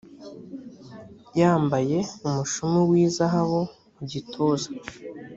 yambaye umushumi w’izahabu mu gituza